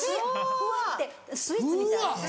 ふわってスイーツみたいな。